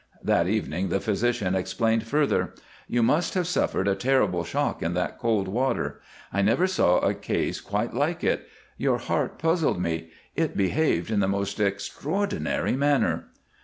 That evening the physician explained further: "You must have suffered a terrible shock in that cold water. I never saw a case quite like it. Your heart puzzled me; it behaved in the most extraordinary manner."